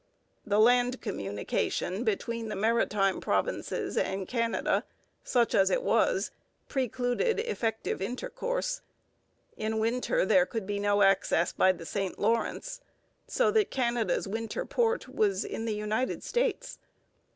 The land communication between the Maritime Provinces and Canada, such as it was, precluded effective intercourse. In winter there could be no access by the St Lawrence, so that Canada's winter port was in the United States.